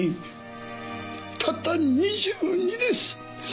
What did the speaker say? ２２たった２２です！